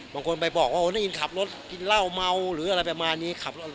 บางคนไปบอกว่าโอ้ยน้องอินขับรถกินเหล้าเมาหรืออะไรแบบนี้